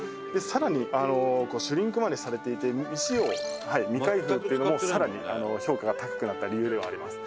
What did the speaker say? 「更にシュリンクまでされていて未使用未開封というのも更に評価が高くなった理由ではあります」